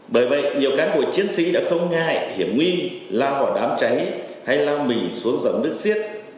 bởi vậy nhiều cán bộ chiến sĩ đã không ngại hiểm nguy lao vào đám cháy hay lao mình xuống dòng nước xiết